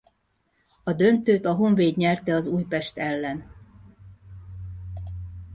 A döntőt a Honvéd nyerte az Újpesttel ellen.